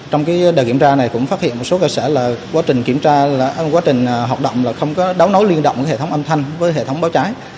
trong đợt kiểm tra này cũng phát hiện một số cơ sở là quá trình kiểm tra quá trình hoạt động là không có đấu nối liên động với hệ thống âm thanh với hệ thống báo cháy